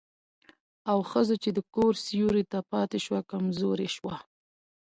او ښځه چې د کور سيوري ته پاتې شوه، کمزورې شوه.